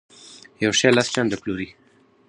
یو شی لس چنده پلوري.